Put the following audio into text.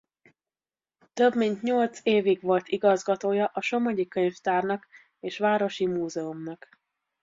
Több mint nyolc évig volt igazgatója a Somogyi-könyvtárnak és Városi Múzeumnak.